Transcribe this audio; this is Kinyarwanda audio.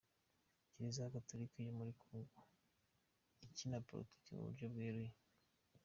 Kiliziya Gatolika yo muri Congo ikina politiki mu buryo bweruye.